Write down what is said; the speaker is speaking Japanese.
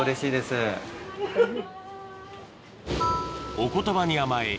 お言葉に甘え